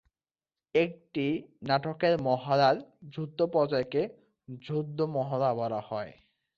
একটি নাটকের মহড়ার যুদ্ধ পর্যায়কে "যুদ্ধ মহড়া" বলা হয়।